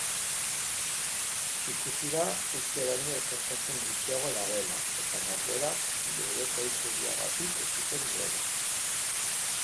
Ikusi da uste baino elkartasun gutxiago dagoela eta norberak berekoikeriagatik ekiten duela.